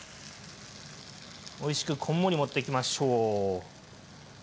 おいしくこんもり盛っていきましょう。